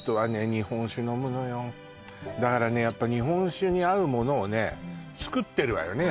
日本酒飲むのよだからねやっぱ日本酒に合うものをね作ってるわよね